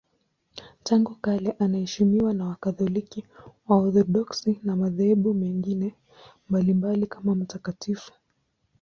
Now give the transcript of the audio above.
Tangu kale anaheshimiwa na Wakatoliki, Waorthodoksi na madhehebu mengine mbalimbali kama mtakatifu.